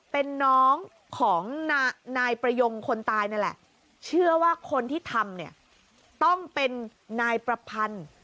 เป็นน้องของนายประยงคนตายนั่นแหละเชื่อว่าคนที่ทำเนี่ยต้องเป็นนายประพันธ์